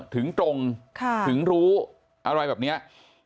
ถึงตรงถึงรู้อะไรแบบนี้